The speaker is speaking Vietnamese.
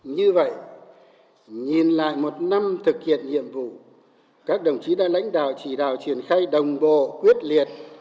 như vậy nhìn lại một năm thực hiện nhiệm vụ các đồng chí đã lãnh đạo chỉ đạo triển khai đồng bộ quyết liệt